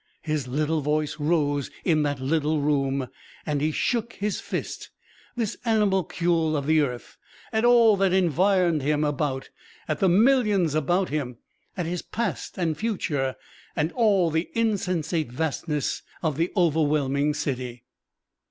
His little voice rose in that little room, and he shook his fist, this animalcule of the earth, at all that environed him about, at the millions about him, at his past and future and all the insensate vastness of the overwhelming city.